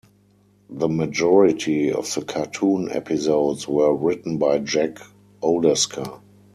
The majority of the cartoon episodes were written by Jack Olesker.